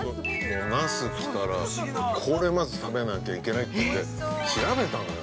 那須来たら、これまず食べなきゃいけないっていうんで、調べたのよ。